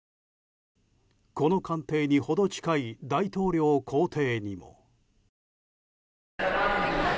この官邸に程近い大統領公邸にも。